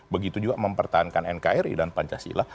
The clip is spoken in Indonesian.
begitu juga mempertahankan nkri dan pancasila